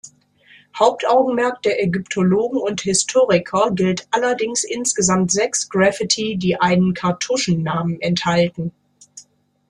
Hauptaugenmerk der Ägyptologen und Historiker gilt allerdings insgesamt sechs Graffiti, die einen Kartuschennamen enthalten.